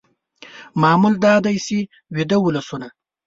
معمول دا دی چې ویده ولسونه